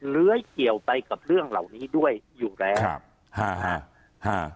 เลื้อยเกี่ยวไปกับเรื่องเหล่านี้ด้วยอยู่แล้วครับฮ่าฮ่าฮ่า